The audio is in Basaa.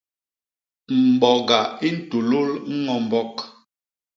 Mboga i ntulul ño mbok.